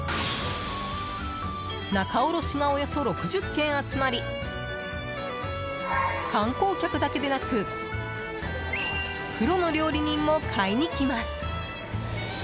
仲卸が、およそ６０軒集まり観光客だけでなくプロの料理人も買いに来ます。